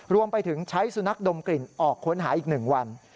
รวมไปถึงใช้สุนัขดมกลิ่นออกค้นหาอีก๑วัน